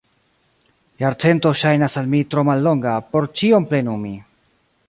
Jarcento ŝajnas al mi tro mallonga, por ĉion plenumi!